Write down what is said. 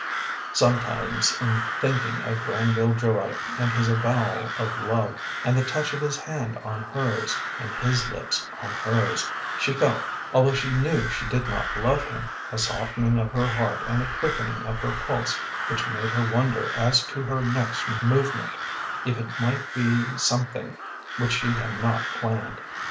Sometimes, in thinking of Granville Joy, and his avowal of love, and the touch of his hand on hers, and his lips on hers, she felt, although she knew she did not love him, a softening of her heart and a quickening of her pulse which made her wonder as to her next movement, if it might be something which she had not planned.